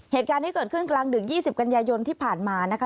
เหตุการณ์ที่เกิดขึ้นกลางดึก๒๐กันยายนที่ผ่านมานะคะ